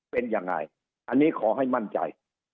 เป็นยังไงอันนี้ขอให้มั่นใจ